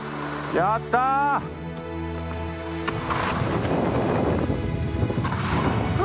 やったぜ！